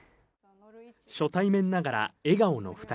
初対面ながら笑顔の２人。